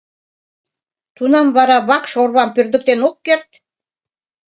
Тунам вара вакш орвам пӧрдыктен ок керт.